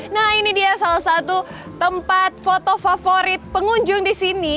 nah ini dia salah satu tempat foto favorit pengunjung di sini